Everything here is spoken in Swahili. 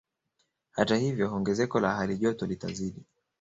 Hata hivyo ongezeko la hali joto litazidi